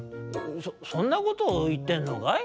そそそんなことをいってんのかい？